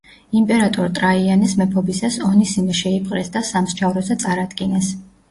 იმპერატორ ტრაიანეს მეფობისას ონისიმე შეიპყრეს და სამსჯავროზე წარადგინეს.